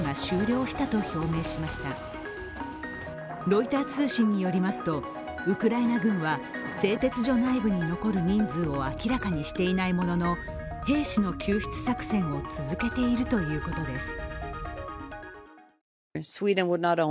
ロイター通信によりますとウクライナ軍は製鉄所内部に残る人数を明らかにしていないものの兵士の救出作戦を続けているということです。